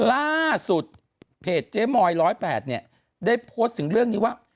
ล่าสุดเพจเจ๊มอย๑๐๘เนี่ยได้โพสต์ถึงเรื่องนี้ว่า